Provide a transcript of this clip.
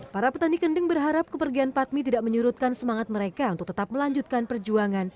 para petani kendeng berharap kepergian patmi tidak menyurutkan semangat mereka untuk tetap melanjutkan perjuangan